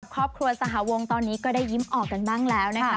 ครอบครัวสหวงตอนนี้ก็ได้ยิ้มออกกันบ้างแล้วนะคะ